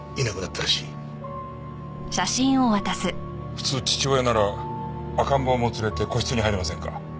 普通父親なら赤ん坊も連れて個室に入りませんか？